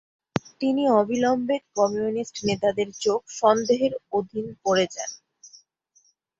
তিনি অবিলম্বে কমিউনিস্ট নেতাদের চোখ সন্দেহের অধীন পড়ে যান।